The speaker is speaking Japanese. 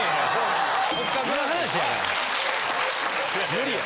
無理や。